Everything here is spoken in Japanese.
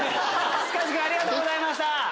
塚地君ありがとうございました。